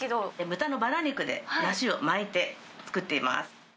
豚のばら肉で梨を巻いて作っています。